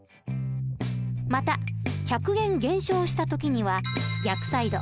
また１００円減少した時には逆サイド